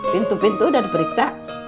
pintu pintu udah diperiksa